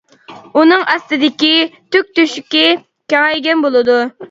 ئۇنىڭ ئاستىدىكى تۈك تۆشۈكى كېڭەيگەن بولىدۇ.